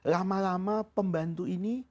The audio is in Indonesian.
lama lama pembantu ini